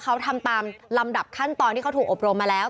เขาทำตามลำดับขั้นตอนที่เขาถูกอบรมมาแล้ว